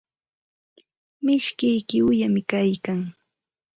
Mishiyki uyumi kaykan.